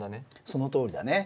そのとおりだね。